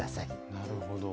なるほど。